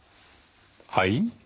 はい？